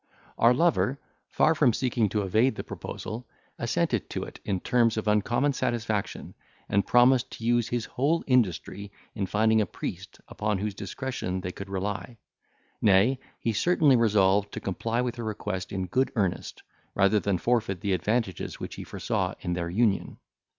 Our lover, far from seeking to evade the proposal, assented to it in terms of uncommon satisfaction, and promised to use his whole industry in finding a priest upon whose discretion they could rely; nay, he certainly resolved to comply with her request in good earnest, rather than forfeit the advantages which he foresaw in their union.